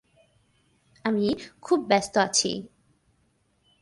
আমি খুব ব্যস্থ আছি।